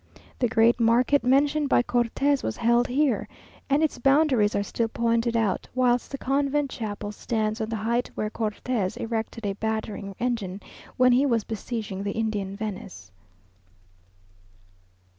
The great market mentioned by Cortes was held here, and its boundaries are still pointed out, whilst the convent chapel stands on the height where Cortes erected a battering engine, when he was besieging the Indian Venice.